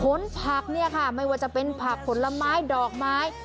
ผลผักเนี่ยค่ะไม่ว่าจะเป็นผักผลไม้ดอกไม้